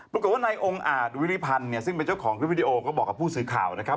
ปรากฏว่าในองค์อาจวิริพันธ์เนี่ยซึ่งเป็นเจ้าของคลิปวิดีโอก็บอกกับผู้สื่อข่าวนะครับ